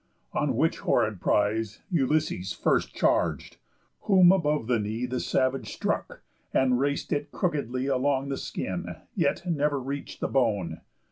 On which horrid prise Ulysses first charg'd; whom above the knee The savage struck, and rac'd it crookedly Along the skin, yet never reach'd the bone.